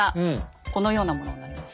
このようなものになります。